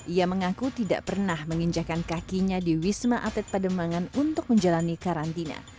ia mengaku tidak pernah menginjakan kakinya di wisma atlet pademangan untuk menjalani karantina